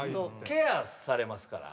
ケアされますから。